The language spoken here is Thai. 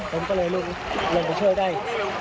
ผมก็เลยลงไปช่วยได้